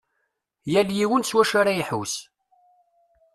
Yal yiwen s wacu ara yesḥus.